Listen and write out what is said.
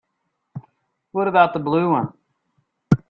What about the blue one?